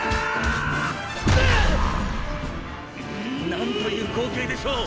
「なんという光景でしょう！